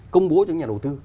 công bố cho những nhà đầu tư